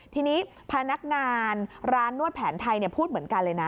ทีนี้พนักงานร้านนวดแผนไทยพูดเหมือนกันเลยนะ